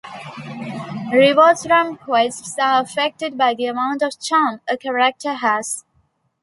Rewards from quests are affected by the amount of charm a character has.